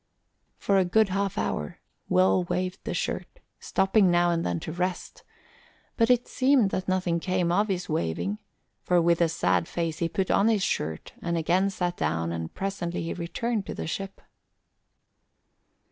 For a good half hour Will waved the shirt, stopping now and then to rest; but it seemed that nothing came of his waving, for with a sad face he put on his shirt and again sat down and presently he returned to the ship.